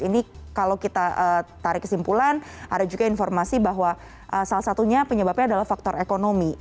ini kalau kita tarik kesimpulan ada juga informasi bahwa salah satunya penyebabnya adalah faktor ekonomi